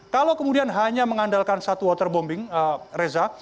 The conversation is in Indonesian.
kalau kemudian hanya mengandalkan satu waterbombing reza